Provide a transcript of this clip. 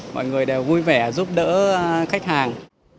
mọi người đều vui vẻ giúp đỡ khách hàng